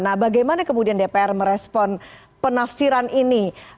nah bagaimana kemudian dpr merespon penafsiran ini